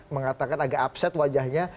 mengatakan agak upset wajahnya